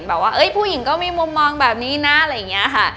ว่าผู้หญิงก็มีมุมมองแบบนี้นะอะไรอย่างนี้ค่ะ